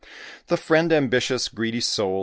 The friend ambitious, greedy soul!